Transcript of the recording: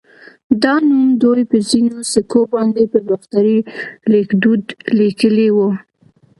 دا نوم دوی په ځینو سکو باندې په باختري ليکدود لیکلی و